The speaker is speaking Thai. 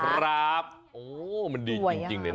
ครับโอ้มันดีจริงเลยนะ